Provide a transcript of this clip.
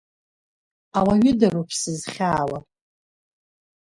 Ауаҩыдароуп сызхьаауа…